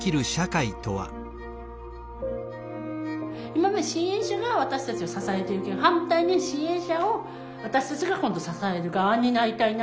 今まで支援者が私たちを支えているけど反対に支援者を私たちが今度支える側になりたいな。